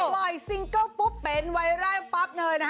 ปล่อยซิงเกิ้ลปุ๊บเป็นไวร่ปั๊บเนย